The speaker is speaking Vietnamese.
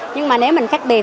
nhưng mà nếu mình khác biệt